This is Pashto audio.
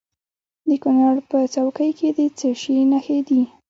د کونړ په څوکۍ کې د څه شي نښې دي؟